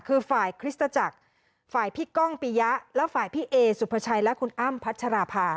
คือฝ่ายคริสตจักรฝ่ายพี่ก้องปียะและฝ่ายพี่เอสุภาชัยและคุณอ้ำพัชราภา